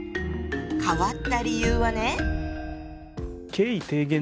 変わった理由はね。